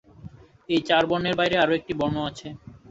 এই চার বর্ণের বাইরে আরো একটি বর্ণ আছে।